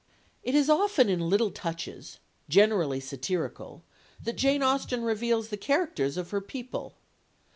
It is often in little touches, generally satirical, that Jane Austen reveals the characters of her people.